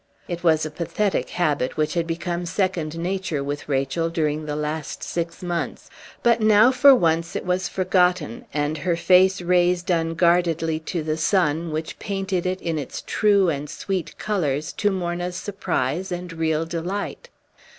It was a pathetic habit, which had become second nature with Rachel during the last six months; but now, for once, it was forgotten, and her face raised unguardedly to the sun, which painted it in its true and sweet colors, to Morna's surprise and real delight.